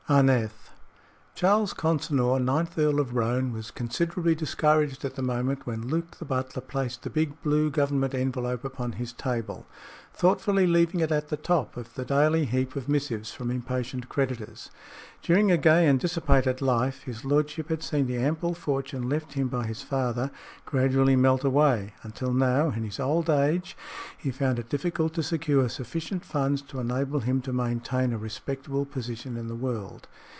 ANETH. Charles Consinor, ninth Earl of Roane, was considerably discouraged at the moment when Luke the butler placed the big blue government envelope upon his table, thoughtfully leaving it at the top of the daily heap of missives from impatient creditors. During a gay and dissipated life, his lordship had seen the ample fortune left him by his father gradually melt away, until now, in his old age, he found it difficult to secure sufficient funds to enable him to maintain a respectable position in the world.